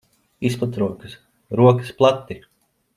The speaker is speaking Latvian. Izplet rokas. Rokas plati!